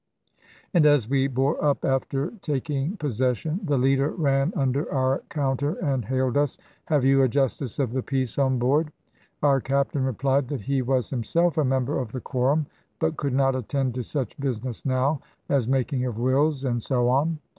And as we bore up after taking possession, the Leader ran under our counter and hailed us, "Have you a Justice of the Peace on board?" Our Captain replied that he was himself a member of the quorum, but could not attend to such business now as making of wills and so on.